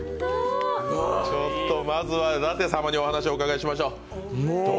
ちょっとまずは舘様にお話を伺いましょう。